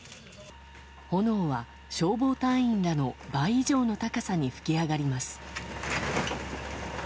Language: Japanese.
炎は消防隊員らの倍以上の高さに噴き上がります。